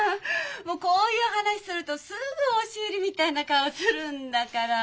もうこういう話するとすぐ押し売りみたいな顔するんだから。